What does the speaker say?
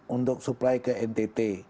untuk supply ke ntt